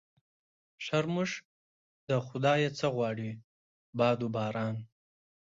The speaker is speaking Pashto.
شرمښ د خدا يه څه غواړي ؟ باد و باران.